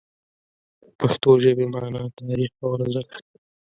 د پښتو ژبې مانا، تاریخ او ارزښت